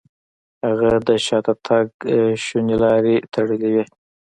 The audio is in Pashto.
هغه د شاته تګ ټولې شونې لارې تړلې وې.